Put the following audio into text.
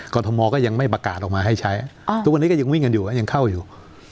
ทมก็ยังไม่ประกาศออกมาให้ใช้ทุกวันนี้ก็ยังวิ่งกันอยู่ยังเข้าอยู่